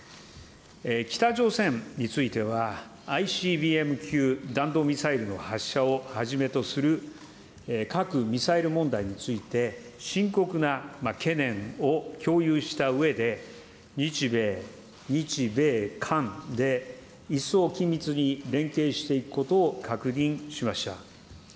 北朝鮮については、ＩＣＢＭ級弾道ミサイルの発射をはじめとする核・ミサイル問題について、深刻な懸念を共有したうえで、日米、日米韓で一層緊密に連携していくことを確認しました。